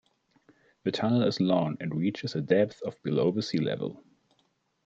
The tunnel is long and reaches a depth of below the sea level.